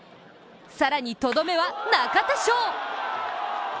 更にとどめは、中田翔！